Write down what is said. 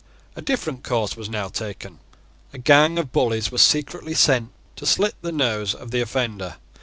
A different course was now taken. A gang of bullies was secretly sent to slit the nose of the offender.